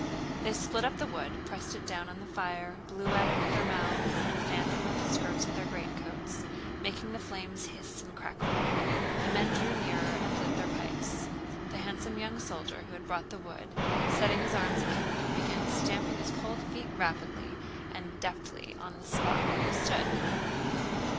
They split up the wood, pressed it down on the fire, blew at it with their mouths, and fanned it with the skirts of their greatcoats, making the flames hiss and crackle. The men drew nearer and lit their pipes. The handsome young soldier who had brought the wood, setting his arms akimbo, began stamping his cold feet rapidly and deftly on the spot where he stood.